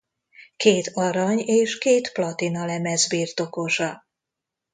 Két arany- és két platinalemez birtokosa.